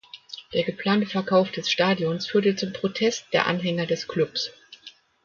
Der geplante Verkauf des Stadions führte zum Protest der Anhänger des Klubs.